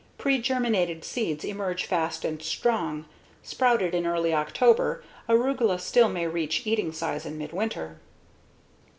Pregerminated seeds emerge fast and strong. Sprouted in early October, arugula still may reach eating size in midwinter.